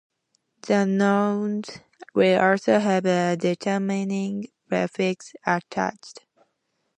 The nouns will also have a determining prefix attached.